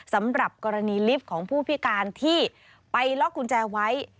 สำหรับกรณีลิฟต์ของผู้พิการที่ไปล็อกกุญแจไว้